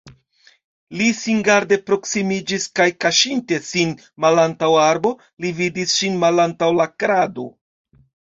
Li singarde proksimiĝis kaj kaŝinte sin malantaŭ arbo li vidis ŝin malantaŭ la krado.